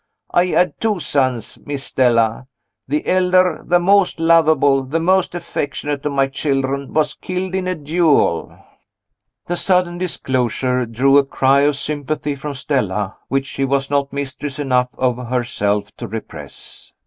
I had two sons, Miss Stella. The elder the most lovable, the most affectionate of my children was killed in a duel." The sudden disclosure drew a cry of sympathy from Stella, which she was not mistress enough of herself to repress.